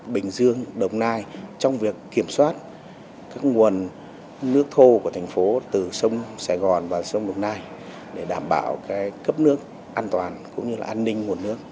bình dương đồng nai trong việc kiểm soát các nguồn nước thô của thành phố từ sông sài gòn và sông đồng nai để đảm bảo cấp nước an toàn cũng như là an ninh nguồn nước